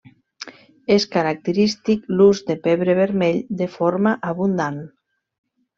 És característic l'ús de pebre vermell de forma abundant.